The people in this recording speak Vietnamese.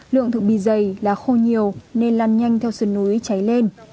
lượng thực bì dày là khô nhiều nên lan nhanh theo sườn núi cháy lên